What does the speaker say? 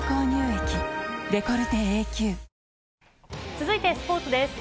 続いてスポーツです。